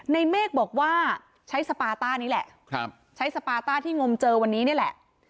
เมฆบอกว่าใช้สปาต้านี้แหละใช้สปาต้าที่งมเจอวันนี้นี่แหละ